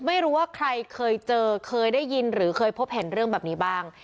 ไม่รู้ว่าใครเคยเจอเคยได้ยินหรือเคยพบเห็นเรื่องแบบนี้บ้าง